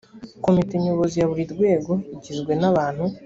komite nyobozi ya buri rwego igizwe n abantu